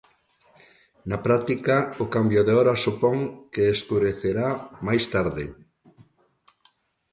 Na práctica, o cambio de hora supón que escurecerá máis tarde.